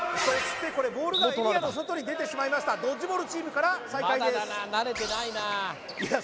ボールがエリアの外に出てしまいましたドッジボールチームから再開ですいや